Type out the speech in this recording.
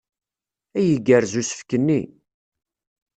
Ay igerrez usefk-nni!